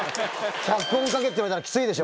脚本書けって言われたらきついでしょ？